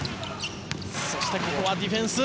そしてここはディフェンス。